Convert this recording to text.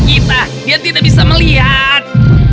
kita dia tidak bisa melihat